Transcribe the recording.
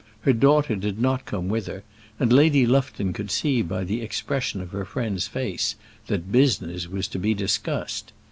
Her daughter did not come with her, and Lady Lufton could see by the expression of her friend's face that business was to be discussed.